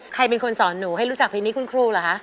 ใครเป็นคนสอนหนูให้รู้จักเพลงนี้คุณครูเหรอคะ